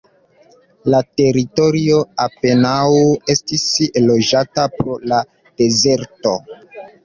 La teritorio apenaŭ estis loĝata pro la dezerto.